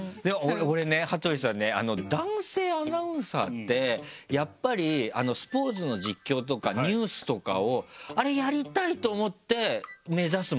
俺ね羽鳥さんね男性アナウンサーってやっぱりスポーツの実況とかニュースとかをあれやりたいと思って目指すものなんですか？